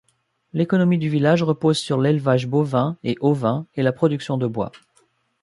L'économie du village repose sur l'élevage bovin et ovin et la production de bois.